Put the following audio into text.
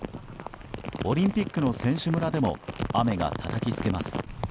オリンピックの選手村でも雨がたたきつけます。